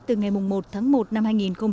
từ ngày một tháng một năm hai nghìn hai mươi